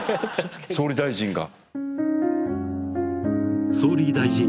総理大臣が。